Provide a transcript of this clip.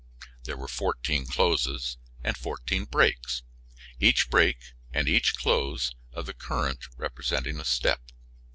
(There were fourteen closes and fourteen breaks, each break and each close of the current representing a step.)